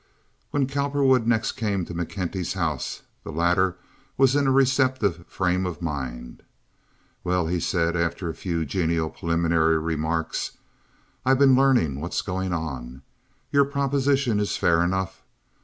When Cowperwood next came to McKenty's house the latter was in a receptive frame of mind. "Well," he said, after a few genial preliminary remarks, "I've been learning what's going on. Your proposition is fair enough.